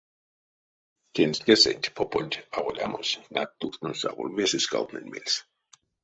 Тенстькесэнть попонть аволямось, нать, тукшнось аволь весе скалтнэнь мельс.